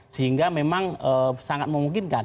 sehingga memang sangat memungkinkan